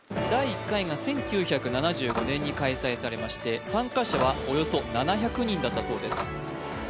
第１回が１９７５年に開催されまして参加者はおよそ７００人だったそうです